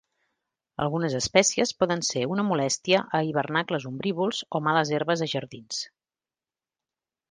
Algunes espècies poden ser una molèstia a hivernacles ombrívols o males herbes a jardins.